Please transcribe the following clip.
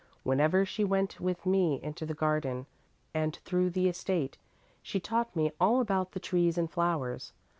Whenever she went with me into the garden and through the estate, she taught me all about the trees and flowers.